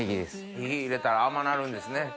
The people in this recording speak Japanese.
火入れたら甘なるんですね。